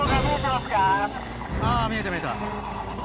あ見えた見えた。